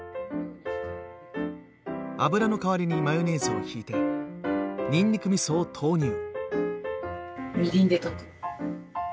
油の代わりにマヨネーズを引いてにんにくみそを投入。